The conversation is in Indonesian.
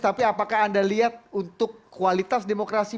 tapi apakah anda lihat untuk kualitas demokrasi